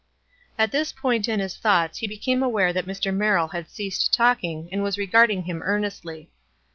At this point in his thoughts he became aware that Mr. Mer rill had ceased talking and was regarding him earnestly.